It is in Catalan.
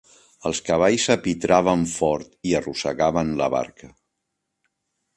Els cavalls apitraven fort i arrossegaven la barca.